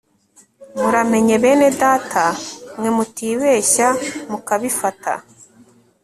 muramenye bene data mwe mutibeshya mukabifata